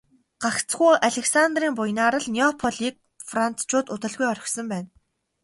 Гагцхүү Александрын буянаар л Неаполийг францчууд удалгүй орхисон байна.